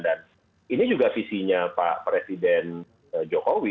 dan ini juga visinya pak presiden jokowi